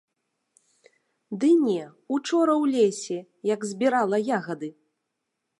Ды не, учора ў лесе, як збірала ягады.